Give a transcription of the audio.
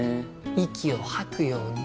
息をはくように。